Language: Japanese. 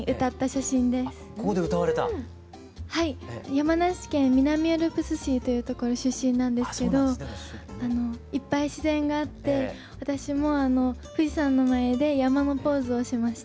山梨県南アルプス市という所出身なんですけどいっぱい自然があって私も富士山の前で山のポーズをしました。